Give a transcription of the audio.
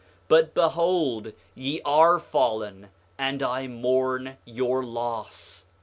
But behold, ye are fallen, and I mourn your loss.